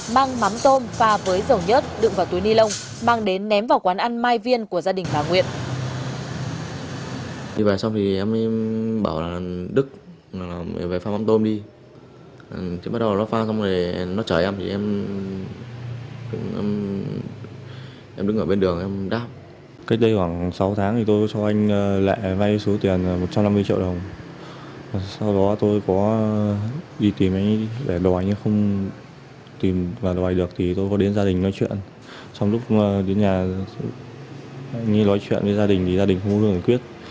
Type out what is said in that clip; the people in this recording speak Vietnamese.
mang mắm tôm pha với dầu nhớt đựng vào túi ni lông mang đến ném vào quán ăn mai viên của gia đình bà nguyện